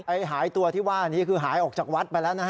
หายตัวที่ว่านี้คือหายออกจากวัดไปแล้วนะฮะ